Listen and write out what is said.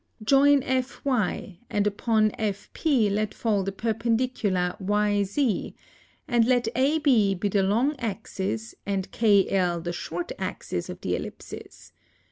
Ioyn FY & upon FP let fall the perpendicular YZ & let AB be the long Axis & KL the short Axis of the Ellipses.